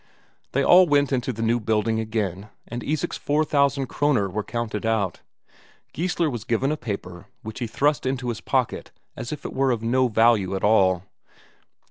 They all went into the new building again, and Isak's four thousand Kroner were counted out. Geissler was given a paper, which he thrust into his pocket as if it were of no value at all.